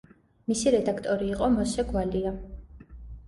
მისი რედაქტორი იყო მოსე გვალია.